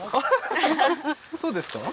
そうですか？